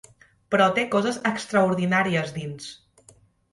Però té coses extraordinàries dins.